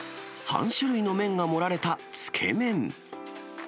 ３種類の麺が盛られたつけ麺。